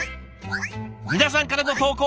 皆さんからの投稿